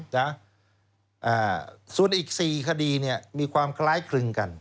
นะสุดอีก๔คดีเนี่ยมีความคล้ายครึ่งกัน